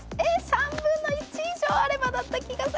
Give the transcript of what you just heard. ３分の１以上あればだった気が。